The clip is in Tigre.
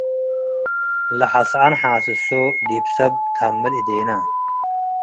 ለሐስዐ ነሓስሶ - ዲብ ሰብ ተሀምል እዴና